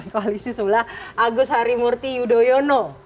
koalisi sebelah agus harimurti yudhoyono